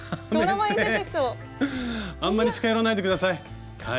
あんまり近寄らないで下さい！